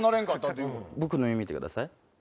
僕の目見てください。